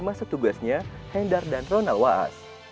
masa tugasnya hendar dan ronald waas